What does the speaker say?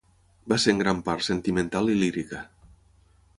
Va ser en gran part sentimental i lírica.